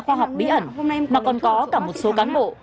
hôm nay em còn có một số cán bộ